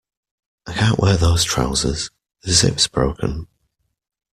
I can't wear those trousers; the zip’s broken